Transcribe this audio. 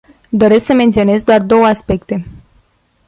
Doresc să menționez doar două aspecte.